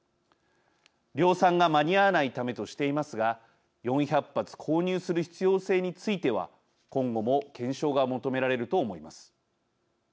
量産が間に合わないためとしていますが４００発購入する必要性については、今後も検証が求められると思います。